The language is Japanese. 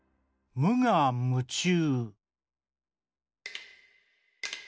「むがむちゅう」。